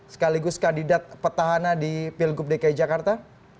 sekaligus kandidat petahana di pilgub dki jakarta